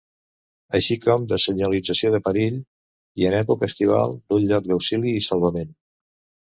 Així com de senyalització de perill, i, en època estival, d'un lloc d'auxili i salvament.